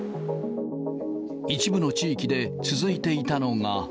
一部の地域で続いていたのが。